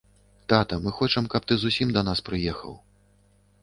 Тата, мы хочам, каб ты зусім да нас прыехаў.